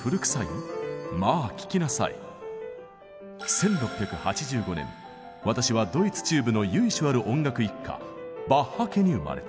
１６８５年私はドイツ中部の由緒ある音楽一家バッハ家に生まれた。